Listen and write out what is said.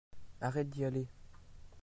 arrête d'y aller.